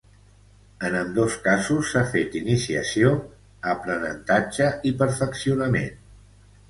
En ambdós casos s’ha fet iniciació, aprenentatge i perfeccionament.